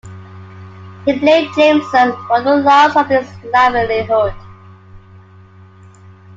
He blamed Jameson for the loss of his livelihood.